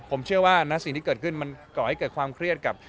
ผมเชื่อว่าณสิ่งที่เกิดขึ้นมันก่อให้เกิดความเครียดกับ